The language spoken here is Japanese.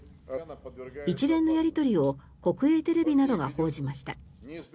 一連のやり取りを国営テレビなどが報じました。